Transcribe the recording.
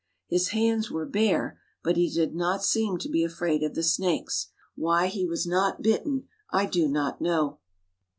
His hands were bare, but he did not seem to be afraid of the snakes. Why he was not bitten, I do not know.